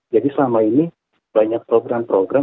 jadi selama ini banyak program program